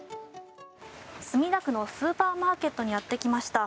墨田区のスーパーマーケットにやってきました。